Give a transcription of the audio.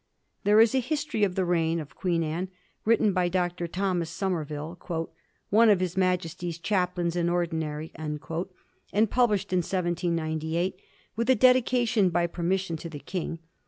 There is a history of the reign of Queen Anne written by Dr. Thomas Somerville, ' one of His Majesty's Chaplains in Ordinary,' and published in 1798, with a dedication * by permission ' to the King.